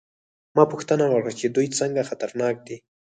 ما پوښتنه وکړه چې دوی څنګه خطرناک دي